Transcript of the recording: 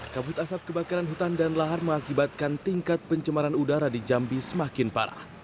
kabut asap kebakaran hutan dan lahan mengakibatkan tingkat pencemaran udara di jambi semakin parah